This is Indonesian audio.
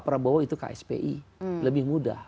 prabowo itu kspi lebih mudah